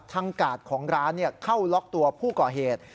กาดของร้านเข้าล็อกตัวผู้ก่อเหตุ